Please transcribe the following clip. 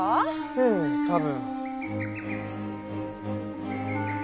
ええ多分。